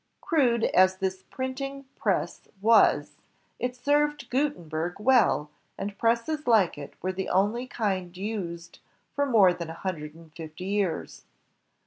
Crude as this print ing press was, it served Gutenberg well, and presses like it were the only kind used for more than a hundred and fifty years.